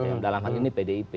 yang dalam hal ini pdip